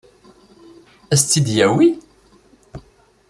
Ad s-tt-id-yawi?